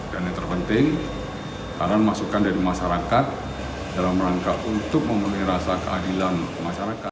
dan yang terpenting saran masukan dari masyarakat dalam rangka untuk memenuhi rasa keadilan masyarakat